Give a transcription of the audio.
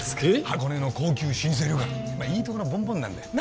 箱根の高級老舗旅館いいとこのボンボンなんだよ